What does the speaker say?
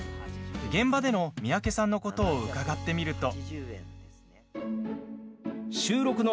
現場での三宅さんのことを伺ってみると。